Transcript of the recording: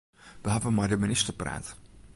Wy hawwe mei de minister praat.